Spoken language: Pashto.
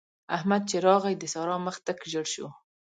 احمد چې راغی؛ د سارا مخ تک ژړ شو.